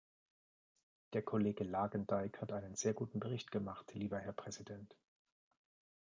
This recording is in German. Der Kollege Lagendijk hat einen sehr guten Bericht gemacht, lieber Herr Präsident.